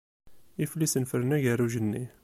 Iflisen ffren agerruj-nni.